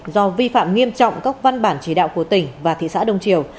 do vi phạm nghiêm trọng các văn bản chỉ đạo của tỉnh và thị xã đông triều